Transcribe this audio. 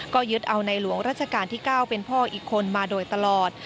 ก็ยึดเอาในหลวงราชการที่๙เป็นพ่ออีกคนมาโดยตลอด